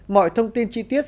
mọi thông tin chi tiết